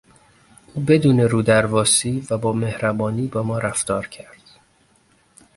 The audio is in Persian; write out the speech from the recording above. او بدون رودرواسی و با مهربانی با ما رفتار کرد.